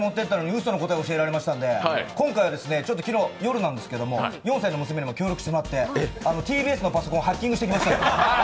その答えを教えられましたので、昨日夜、４歳の娘にも協力してもらってＴＢＳのパソコンハッキングしてきました。